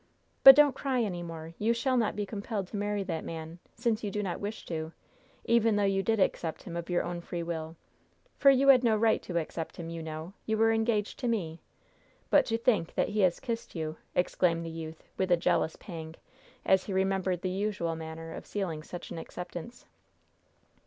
But don't cry any more. You shall not be compelled to marry that man, since you do not wish to, even though you did accept him of your own free will! for you had no right to accept him, you know; you were engaged to me. But to think that he has kissed you!" exclaimed the youth, with a jealous pang, as he remembered the usual manner of sealing such an acceptance.